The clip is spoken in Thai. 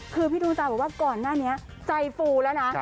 คือพี่ดวงจันทร์บอกว่าก่อนหน้านี้ใจฟูแล้วนะ